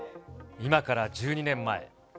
今から１２年前。